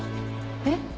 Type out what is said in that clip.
えっ？